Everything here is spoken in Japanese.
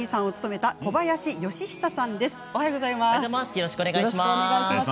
よろしくお願いします。